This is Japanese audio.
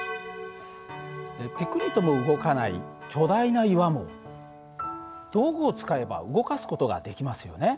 ぴくりとも動かない巨大な岩も道具を使えば動かす事ができますよね。